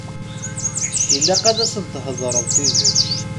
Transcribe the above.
Ilaq ad asen-theḍṛeḍ tidet.